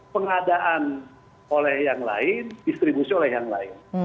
pengadaan oleh yang lain distribusi oleh yang lain